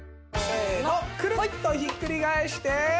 クルッとひっくり返して。